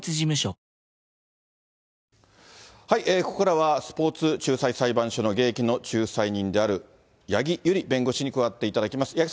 ここからは、スポーツ仲裁裁判所の現役の仲裁人である、八木由里弁護士に加わっていただきます。